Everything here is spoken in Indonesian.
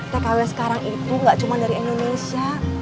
tkw sekarang itu gak cuma dari indonesia